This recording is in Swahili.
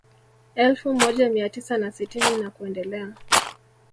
Elfu moja mia tisa na sitini na kuendelea